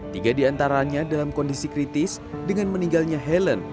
tiga diantaranya dalam kondisi kritis dengan meninggalnya helen